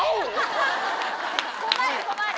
困る困る！